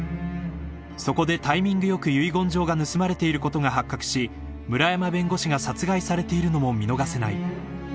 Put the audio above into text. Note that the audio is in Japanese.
［そこでタイミングよく遺言状が盗まれていることが発覚し村山弁護士が殺害されているのも見逃せない］